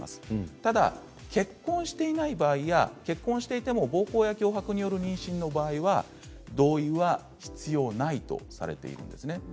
ただ結婚していない場合や結婚していても暴行や脅迫による妊娠は同意は必要ないとされているんですね。